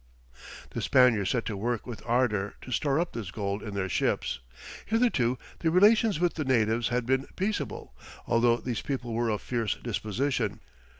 The Spaniards set to work with ardour to store up this gold in their ships. Hitherto the relations with the natives had been peaceable, although these people were of fierce disposition.